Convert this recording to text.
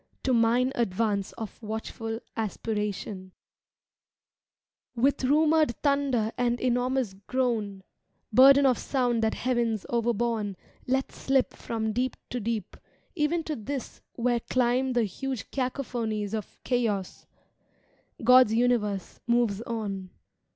To mine advance of watchful aspiratioa With rumoured thunder and enormous groan (Burden of sound that heavens overborne Let slip from deep to deep, even to this Where dimb the huge cacophonies of Chaos) God's universe moves on.